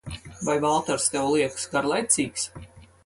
Vai Valters tev liekas garlaicīgs?